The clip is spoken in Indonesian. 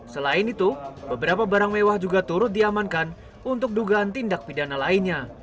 selain itu beberapa barang mewah juga turut diamankan untuk dugaan tindak pidana lainnya